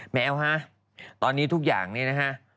แมวฮะตอนนี้ทุกอย่างเนี่ยนะฮะ